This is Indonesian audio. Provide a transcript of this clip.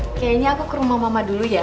kayaknya aku ke rumah mama dulu ya